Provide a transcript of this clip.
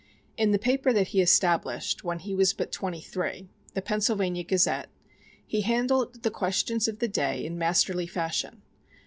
In the paper that he established when he was but twenty three the Pennsylvania Gazette he handled the questions of the day in masterly fashion.